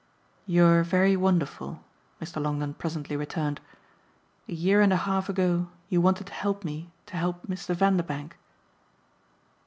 "You're very wonderful," Mr. Longdon presently returned. "A year and a half ago you wanted to help me to help Mr. Vanderbank."